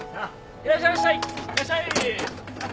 いらっしゃい。